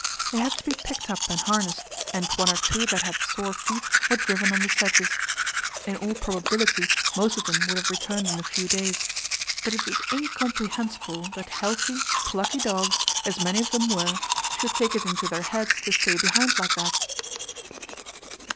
They had to be picked up and harnessed, and one or two that had sore feet were driven on the sledges. In all probability most of them would have returned in a few days. But it is incomprehensible that healthy, plucky dogs, as many of them were, should take it into their heads to stay behind like that.